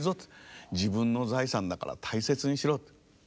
自分の財産だから大切にしろ」と。